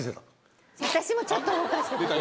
私もちょっと動かしてた。